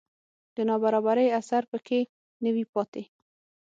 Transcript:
د نابرابرۍ اثر په کې نه وي پاتې